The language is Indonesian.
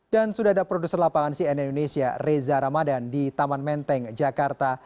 dan sudah ada produser lapangan cnn indonesia reza ramadan di taman menteng jakarta